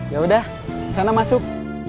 yaudah sana masuk